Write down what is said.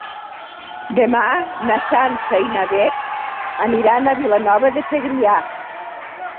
Demà na Sança i na Beth aniran a Vilanova de Segrià.